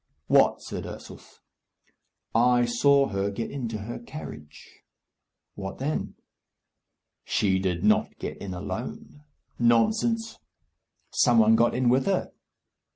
"What?" said Ursus. "I saw her get into her carriage." "What then?" "She did not get in alone." "Nonsense!" "Some one got in with her."